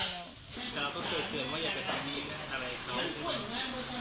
แต่เราต้องเจอกันว่าอยากจะทำอะไรหรือแบบเขา